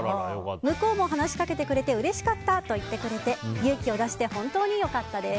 向こうも話しかけてくれてうれしかったと言ってくれて勇気を出して本当に良かったです。